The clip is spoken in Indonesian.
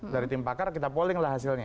dari tim pakar kita polling lah hasilnya